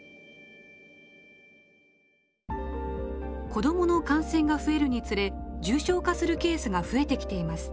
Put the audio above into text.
子どもの感染が増えるにつれ重症化するケースが増えてきています。